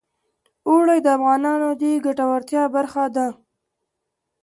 اوړي د افغانانو د ګټورتیا برخه ده.